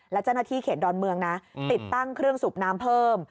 และเจ้าหน้าที่เขตดอนเมืองนะติดตั้งเครื่องสูบน้ำเพิ่ม